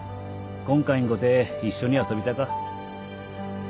今回んごて一緒に遊びたか。